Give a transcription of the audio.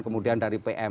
kemudian dari pm